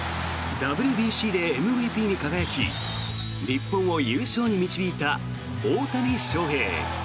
ＷＢＣでＭＶＰに輝き日本を優勝に導いた大谷翔平。